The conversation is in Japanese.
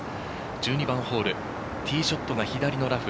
１２番ホール、ティーショットが左のラフ。